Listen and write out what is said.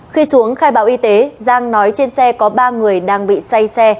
khi xuống khai báo y tế giang nói trên xe có ba người đang bị say xe